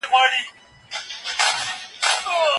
ایا مسواک د حافظې په قوي کولو کې مرسته کوي؟